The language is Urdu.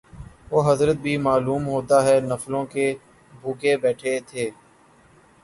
وہ حضرت بھی معلوم ہوتا ہے نفلوں کے بھوکے بیٹھے تھے